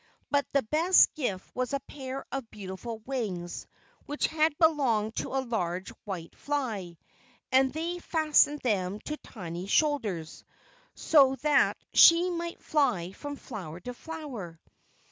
But the best gift was a pair of beautiful wings, which had belonged to a large white fly, and they fastened them to Tiny's shoulders, so that she might fly from flower to flower.